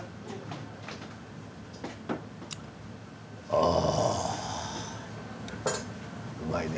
あうまいね。